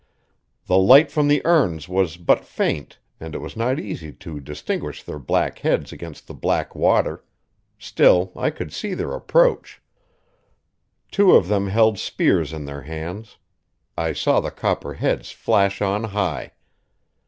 The light from the urns was but faint, and it was not easy to distinguish their black heads against the black water; still, I could see their approach. Two of them held spears in their hands; I saw the copper heads flash on high.